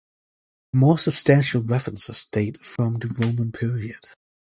More substantial references date from the Roman period.